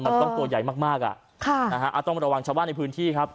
มันต้องตัวใหญ่มากอ่ะค่ะนะฮะต้องระวังชาวบ้านในพื้นที่ครับ